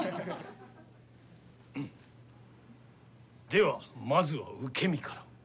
ではまずは受け身から。